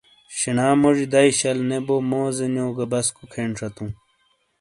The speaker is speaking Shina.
شینا موجی دئیی شل نے بو موزینیو گہ بسکو کھین شتوں۔